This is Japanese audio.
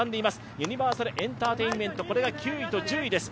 ユニバーサルエンターテインメント、これが９位と１０位です。